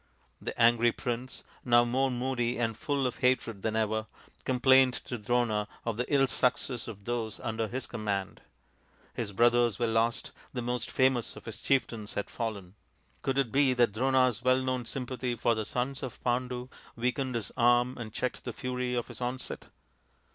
The angry prince, now more moody and full of hatred than ever, complained to Drona of the ill success of those under his command. His brothers were lost, the most famous of his chieftains had fallen. Could it be that Drona's well known sympathy for the sons of Pandu weakened his arm and checked the fury of his onset